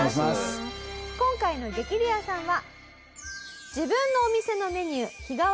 今回の激レアさんは。